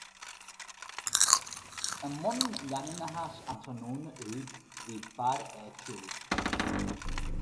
I mbun leanúnachais an tráthnóna úd, bhí fear áitiúil.